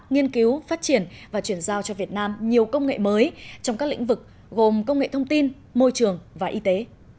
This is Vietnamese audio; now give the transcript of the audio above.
nghiên cứu phát triển và chuyển giao cho việt nam nhiều công nghệ mới trong các lĩnh vực gồm công nghệ thông tin môi trường và y tế